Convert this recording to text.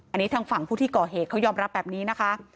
อันนี้ทางฝั่งผู้ที่ก่อเหตุเขายอมรับแบบนี้นะคะ